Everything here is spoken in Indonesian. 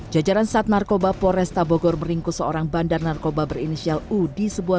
jajaran sat narkoba poresta bogor meringkus seorang bandar narkoba berinisial u di sebuah